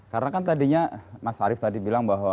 karena kan tadinya mas arief tadi bilang bahwa